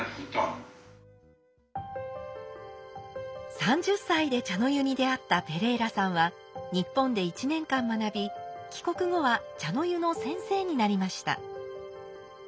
３０歳で茶の湯に出会ったペレイラさんは日本で１年間学び帰国後は茶の湯の先生になりました。